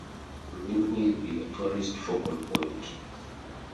The windmill is a tourist focal point.